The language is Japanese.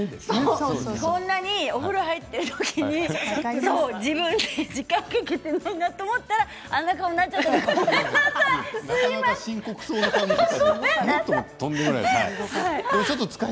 そんなに、お風呂入っている時に自分に時間をかけていないなと思ったら、あんな顔になっちゃったの、ごめんなさい。